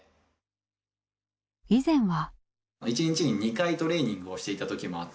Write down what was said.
以前は。